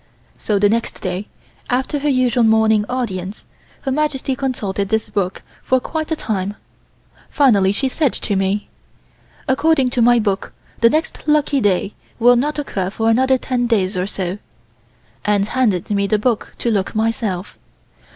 So the next day, after her usual morning audience Her Majesty consulted this book for quite a time. Finally she said to me: "According to my book the next lucky day will not occur for another ten days or so," and handed me the book to look myself.